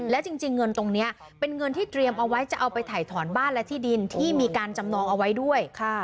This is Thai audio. และจริงเงินตรงนี้เป็นเงินที่เตรียมเอาไว้จะเอาไปถ่ายถอนบ้านและที่ดินที่มีการจำนองเอาไว้ด้วย